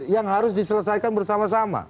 yang harus diselesaikan bersama sama